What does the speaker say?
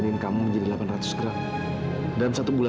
ini semua pasti gara gara kamila